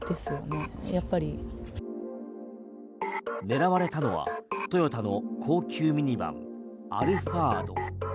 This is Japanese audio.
狙われたのはトヨタの高級ミニバンアルファード。